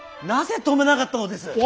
なぜ止めなかったのです！